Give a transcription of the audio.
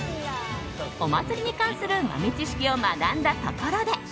お祭りに関する豆知識を学んだところで